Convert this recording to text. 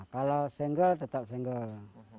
kalau single tetap single